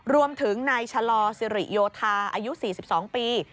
รวมถึงนายชะลอสิริโยธาอายุ๔๒ปี